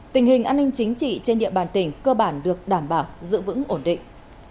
tình hình an ninh chính trị trên địa bàn tỉnh cơ bản được đảm bảo giữ vững ổn định